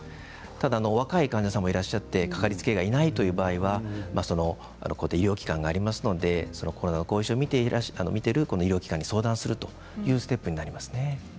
ただ若い患者さんもいらっしゃって掛かりつけ医がいない場合は医療機関がありますのでコロナの後遺症を診ている医療機関に相談するというステップになりますね。